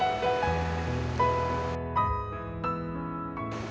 ครับ